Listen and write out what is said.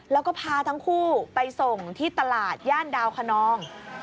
แล้วก็พาทั้งคู่ไปส่งที่ตลาดย่านดาวคนนอง